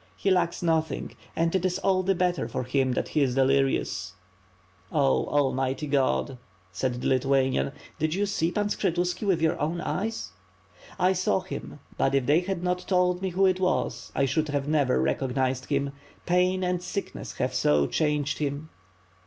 He lacks noth ing and it is all the better for him that he is delirious." "Oh, almighty God," said the Lithuanian. "Did you see Pan Skshetuski with your own eyes." "I saw him; but if they had not told me who it was, I should not have recognized him. Pain and sickness have so changed him."